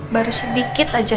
baru sedikit aja